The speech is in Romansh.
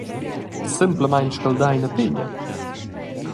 Semplamein scaldar ina pegna.